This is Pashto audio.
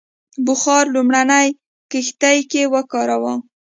بخار لومړنۍ کښتۍ کې وکاراوه.